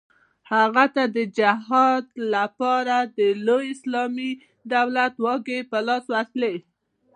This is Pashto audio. هغه ته د جهاد لپاره د لوی اسلامي دولت واګې په لاس ورتلې.